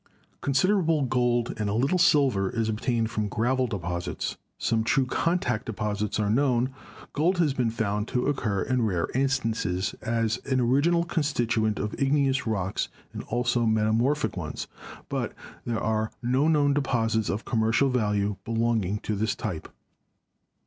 Considerable gold and a lit tle silver is obtained from gravel deposits. Some true contact deposits are known. Gold has been found to oc cur in rare instances as an original constituent of igneous rocks and also metamorphic ones, but there are no known deposits of commercial value belonging to this type.